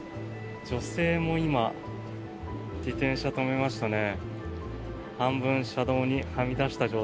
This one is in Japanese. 女性も今自転車を止めましたね。